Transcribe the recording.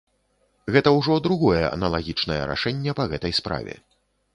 Гэта ўжо другое аналагічнае рашэнне па гэтай справе.